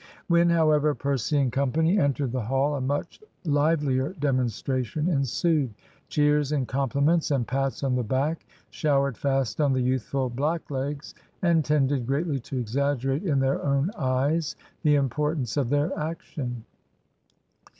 When, however, Percy and Co. entered the Hall, a much livelier demonstration ensued. Cheers and compliments and pats on the back showered fast on the youthful "blacklegs," and tended greatly to exaggerate in their own eyes the importance of their action.